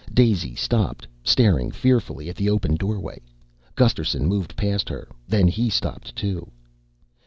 Daisy stopped, staring fearfully at the open doorway. Gusterson moved past her. Then he stopped too.